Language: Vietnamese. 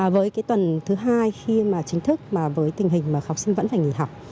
với cái tuần thứ hai khi mà chính thức mà với tình hình mà học sinh vẫn phải nghỉ học